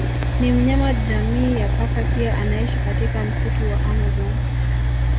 Ni mnyama jamii ya paka pia anaishi katika msitu wa amazon